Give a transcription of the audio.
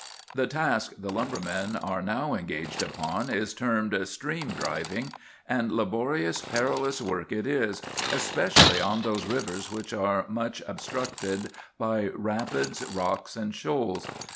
"The task the lumbermen are now engaged upon is termed 'stream driving;' and laborious, perilous work it is, especially on those rivers which are much obstructed by rapids, rocks, and shoals.